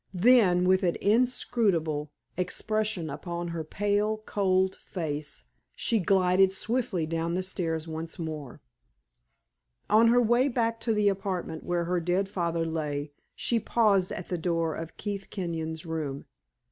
Then, with an inscrutable expression upon her pale, cold face, she glided swiftly down the stairs once more. On her way back to the apartment where her dead father lay, she paused at the door of Keith Kenyon's room.